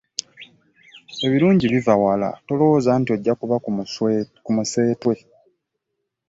Ebirungi biva wala toloowoza nti ojja kuba ku museetwe.